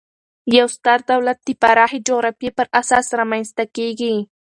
یو ستر دولت د پراخي جغرافیې پر اساس رامنځ ته کیږي.